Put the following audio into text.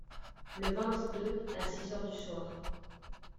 Le vingt-deux, à six heures du soir.